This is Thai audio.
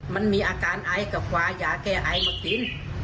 มันมีอาการไอกับวายาแก้ไอมากิน